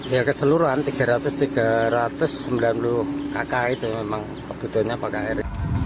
ya keseluruhan tiga ratus tiga ratus sembilan puluh kakak itu memang kebutuhannya pakai air